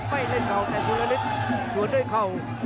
ไม่เล่นต่อแต่สุรินิศส่วนด้วยเข่า